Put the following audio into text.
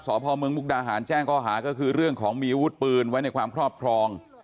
สพเมืองมุกดาหารแจ้งข้อหาก็คือเรื่องของมีอาวุธปืนไว้ในความครอบครอง